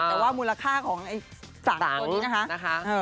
แต่ว่ามูลค่าของ๓ตัวนี้นะคะ